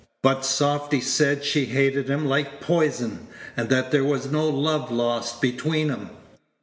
But softy said she hated him like poison, and that there was no love lost between 'em."